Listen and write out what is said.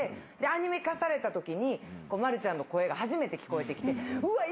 アニメ化されたときにまるちゃんの声が初めて聞こえてきて「うわ。